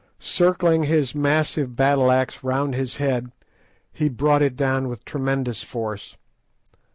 Circling his massive battle axe round his head, he brought it down with tremendous force.